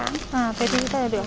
à thế thì thế là được